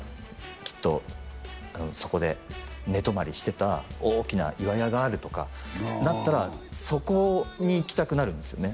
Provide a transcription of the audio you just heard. きっとそこで寝泊まりしてた大きな岩屋があるとかだったらそこに行きたくなるんですよね